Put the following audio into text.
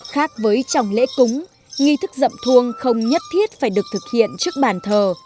khác với trong lễ cúng nghi thức dậm thuông không nhất thiết phải được thực hiện trước bàn thờ